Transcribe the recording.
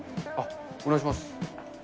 お願いします。